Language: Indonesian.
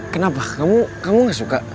kenapa kamu gak suka